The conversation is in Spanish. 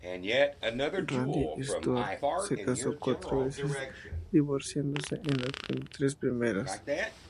Randy Stuart se casó cuatro veces, divorciándose en las tres primeras.